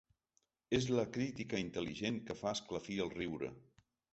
És la crítica intel·ligent que fa esclafir el riure.